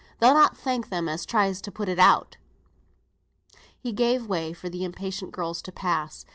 They'll not thank them as tries to put it out." He gave way for the impatient girls to pass.